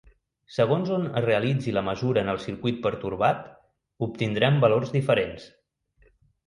Segons on es realitzi la mesura en el circuit pertorbat obtindrem valors diferents.